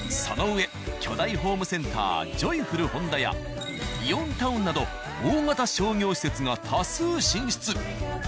そのうえ巨大ホームセンター「ジョイフル本田」やイオンタウンなど大型商業施設が多数進出。